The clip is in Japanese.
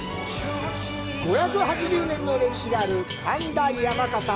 ５８０年の歴史がある苅田山笠。